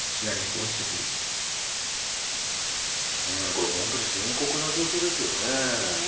これ、本当に深刻な状況ですよね。